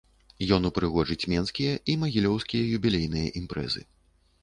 Ён упрыгожыць менскія й магілёўскія юбілейныя імпрэзы.